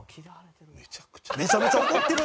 めちゃめちゃ怒ってる！